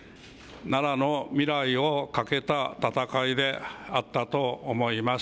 奈良の未来をかけた戦いであったと思います。